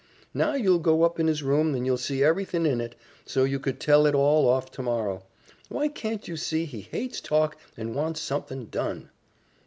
Now you'll go up in his room and you'll see everythin' in it, so you could tell it all off tomorrow. Why, can't you see he hates talk and wants somethin' done?"